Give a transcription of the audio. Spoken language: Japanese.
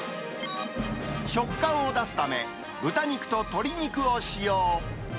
食感を出すため、豚肉と鶏肉を使用。